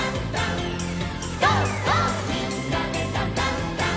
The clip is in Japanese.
「みんなでダンダンダン」